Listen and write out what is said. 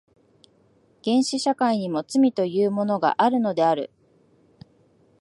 原始社会にも罪というものがあるのである。